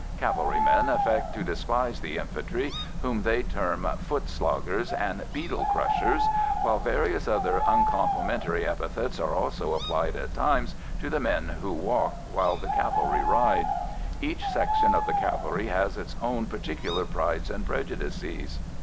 Cavalrymen affect to despise the infantry, whom they term "foot sloggers" and "beetle crushers," while various other uncomplimentary epithets are also applied at times to the men who walk while the cavalry ride. Each section of the cavalry has its own particular prides and prejudices.